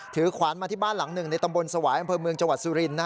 ขวานมาที่บ้านหลังหนึ่งในตำบลสวายอำเภอเมืองจังหวัดสุรินทร์